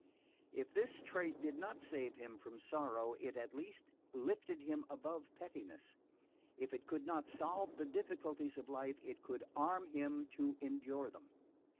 If this trait did not save him from sorrow, it at least lifted him above pettiness; if it could not solve the difficulties of life it could arm him to endure them.